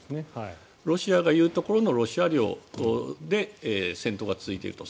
ロシアが言うところのロシア領で戦闘が続いていると。